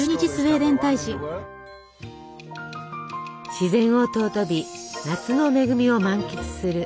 自然を尊び夏の恵みを満喫する。